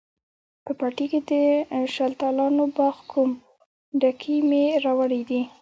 په پټي کښې د شلتالانو باغ کوم، ډکي مې راوړي دي